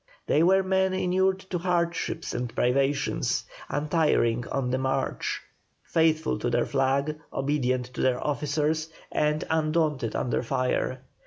They were men inured to hardships and privations, untiring on the march, faithful to their flag, obedient to their officers, and undaunted under fire.